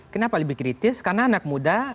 kenapa lebih kritis karena anak muda